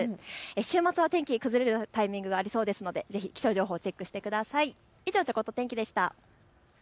週末は天気、崩れるタイミングがありそうですのでぜひ気象情報をチェックしてください。